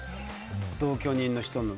同居人の人の。